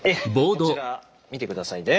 こちら見て下さいね。